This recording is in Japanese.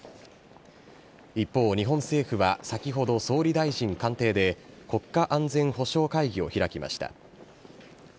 一方、日本政府は先ほど総理大臣官邸で国家安全保障会議を開きました。